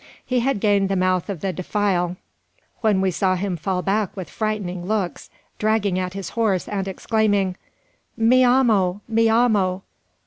He had gained the mouth of the defile, when we saw him fall back with frightening looks, dragging at his horse and exclaiming "Mi amo! mi amo!